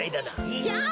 いや。